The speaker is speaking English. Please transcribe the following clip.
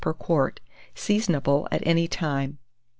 per quart. Seasonable at any time.